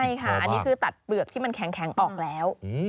ใช่ค่ะอันนี้คือตัดเปลือกที่มันแข็งออกแล้ว